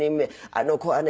あの子はね